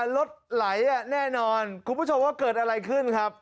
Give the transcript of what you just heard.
รถไหลแน่นอนคุณผู้ชมว่าเกิดอะไรขึ้นครับ